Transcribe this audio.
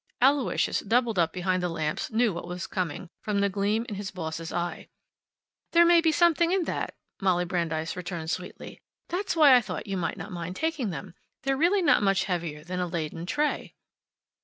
Aloysius, doubled up behind the lamps, knew what was coming, from the gleam in his boss's eye. "There may be something in that," Molly Brandeis returned sweetly. "That's why I thought you might not mind taking them. They're really not much heavier than a laden tray."